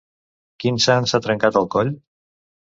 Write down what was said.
Quin sant s'ha trencat el coll?